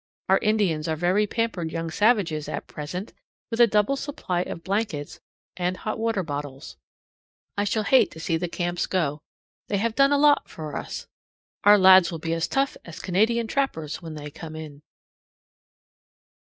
Our Indians are very pampered young savages at present, with a double supply of blankets and hot water bottles. I shall hate to see the camps go; they have done a lot for us. Our lads will be as tough as Canadian trappers when they come in.